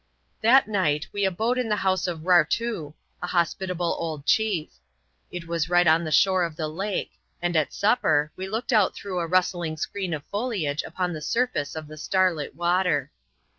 That night we abode in the house of Bartoo, a hospitable old chief. It was right on the shore of the lake ; and at supper, we looked out through a rustling screen of foliage upon the sur face of the starlit water.